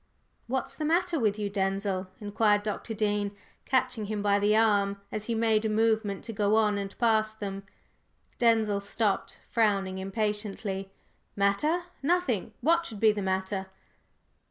"What's the matter with you, Denzil?" inquired Dr. Dean, catching him by the arm as he made a movement to go on and pass them. Denzil stopped, frowning impatiently. "Matter? Nothing! What should be the matter?"